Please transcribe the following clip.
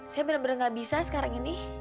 saya bener bener gak bisa sekarang ini